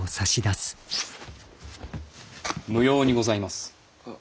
無用にございます。